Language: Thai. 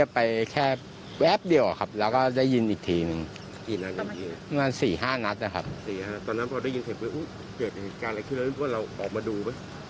เกิดเหตุการณ์อะไรขึ้นแล้วนึกว่าเราออกมาดูไหม